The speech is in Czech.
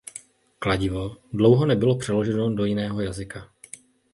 Kladivo dlouho nebylo přeloženo do jiného jazyka.